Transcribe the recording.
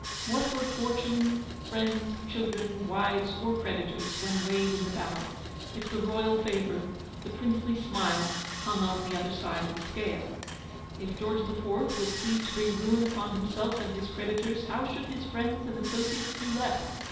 "What were fortune, friends, children, wives or creditors, when weighed in the balance, if the royal favour, the princely smile hung on the other side of the scale ? If George the Fourth was pleased to bring ruin upon him self and his creditors, how should his friends and associates do less?